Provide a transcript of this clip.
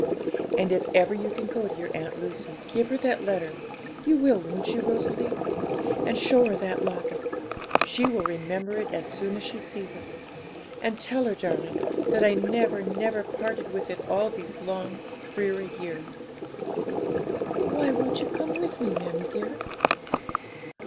And if ever you can go to your Aunt Lucy, give her that letter; you will, won't you, Rosalie? and show her that locket; she will remember it as soon as she sees it; and tell her, darling, that I never, never parted with it all these long, dreary years.' 'But why won't you come with me, mammie dear?'